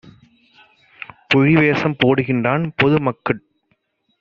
புலிவேஷம் போடுகின்றான்! பொதுமக் கட்குப்